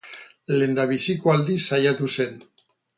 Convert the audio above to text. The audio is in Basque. Lehendabiziko aldiz saiatu zen.